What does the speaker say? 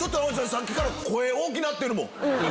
さっきから声大きくなってる。